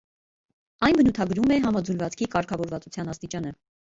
Այն բնութագրում է համաձուլվածքի կարգավորվածության աստիճանը։